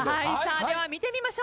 では見てみましょう。